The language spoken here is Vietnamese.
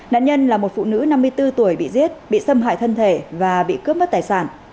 nạn nhân là một phụ nữ năm mươi bốn tuổi bị giết bị xâm hại thân thể và bị cướp mất tài sản